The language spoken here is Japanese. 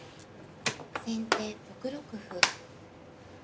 先手６六歩。